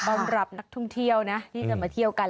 ต้อนรับนักท่องเที่ยวนะที่จะมาเที่ยวกัน